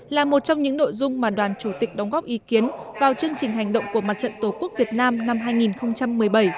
là một trong những nội dung mà đoàn chủ tịch đóng góp ý kiến vào chương trình hành động của mặt trận tổ quốc việt nam năm hai nghìn một mươi bảy